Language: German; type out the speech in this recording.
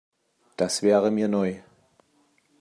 Das wäre mir neu.